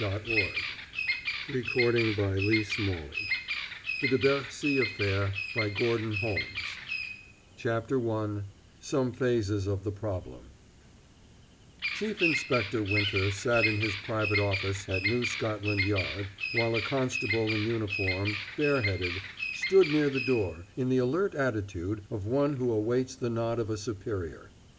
THE CLOSING SCENE 304 THE DE BERCY AFFAIR CHAPTER I SOME PHASES OF THE PROBLEM Chief Inspector Winter sat in his private office at New Scotland Yard, while a constable in uniform, bare headed, stood near the door in the alert attitude of one who awaits the nod of a superior.